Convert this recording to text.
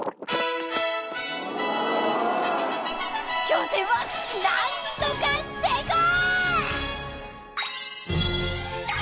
挑戦はなんとか成功！